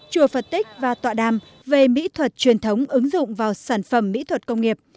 chùa phật tích và tọa đàm về mỹ thuật truyền thống ứng dụng vào sản phẩm mỹ thuật công nghiệp